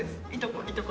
いとこ。